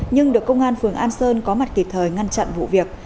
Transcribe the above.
nhưng được công an phường an sơn có mặt kịp thời ngăn chặn vụ việc